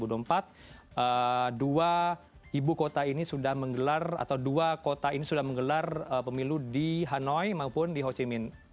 dua ibu kota ini sudah menggelar atau dua kota ini sudah menggelar pemilu di hanoi maupun di ho chi min